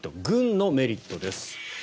軍のメリットです。